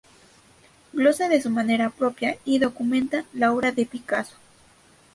Glosa de su manera propia- y documenta- la obra de Picasso.